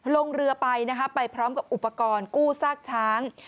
ลงเรือไปนะคะไปพร้อมกับอุปกรณ์กู้ซากช้าง